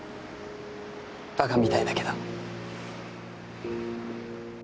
ばかみたいだけど。